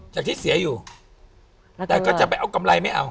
จากที่เสียอยู่แต่ก็จะไปเอากำไรไม่เอา